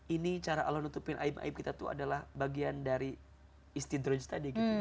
ini cara allah menutupi aib aib kita itu adalah bagian dari istidroj tadi gitu